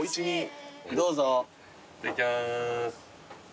いただきます。